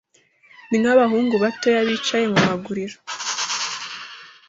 Ni nk abahungu bato bicaye mu maguriro